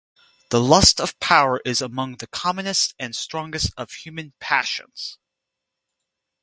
The lust of power is among the commonest and strongest of human passions.